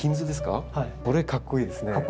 これかっこいいですね。